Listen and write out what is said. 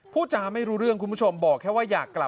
พูดจะไม่รู้เรื่องคุณผู้ชมบอกแค่ว่า